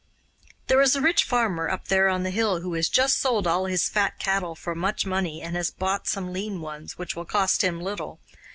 'There is a rich farmer up there on the hill, who has just sold all his fat cattle for much money and has bought some lean ones which will cost him little.